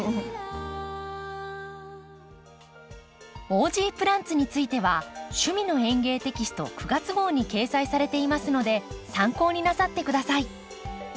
「オージープランツ」については「趣味の園芸」テキスト９月号に掲載されていますので参考になさって下さい。